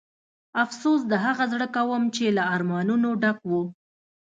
افسوس د هغه زړه کوم چې له ارمانونو ډک و.